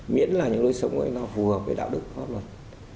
miễn là những lối sống ấy nó phù hợp với đạo đức pháp luật